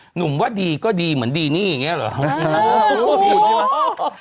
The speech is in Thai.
หนุ่มว่าดีก็ดีเหมือนดีนี่อย่างนี้เหรอ